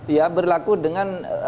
ya berlaku dengan